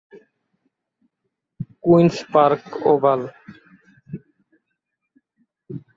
queen's Park oval